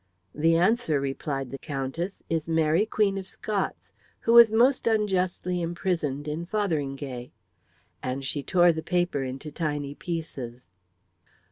"The answer," replied the Countess, "is Mary, Queen of Scots, who was most unjustly imprisoned in Fotheringay," and she tore the paper into tiny pieces.